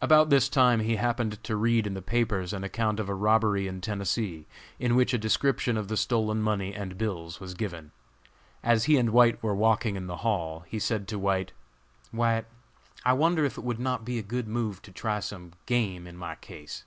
About this time he happened to read in the papers an account of a robbery in Tennessee, in which a description of the stolen money and bills was given. As he and White were walking in the hall, he said to White: "White, I wonder if it would not be a good move to try some game in my case?